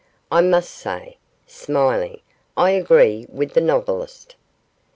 I must say,' smiling, 'I agree with the novelist.